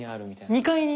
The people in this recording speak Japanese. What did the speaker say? ２階に？